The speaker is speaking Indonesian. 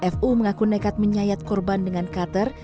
fu mengaku nekat menyayat korban dengan qatar